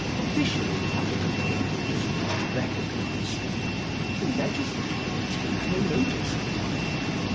Officially, public opinion does not recognise them, the legislature will take no notice of them.